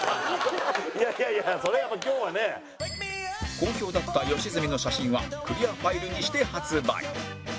好評だった吉住の写真はクリアファイルにして発売